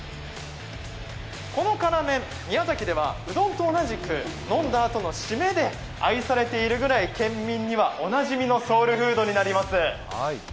この辛麺、宮崎ではうどんと同じく、飲んだあとのシメで愛されているくらい、県民にはおなじみのソウルフードになります。